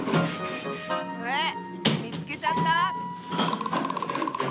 えっみつけちゃった？